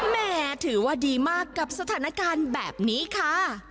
แหมถือว่าดีมากกับสถานการณ์แบบนี้ค่ะ